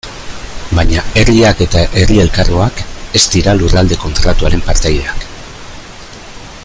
Baina herriak eta herri elkargoak ez dira Lurralde Kontratuaren partaideak.